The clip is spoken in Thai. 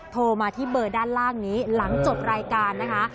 โทรมาที่เบอร์ด้านล่างนี้หลังจบรายการนะคะ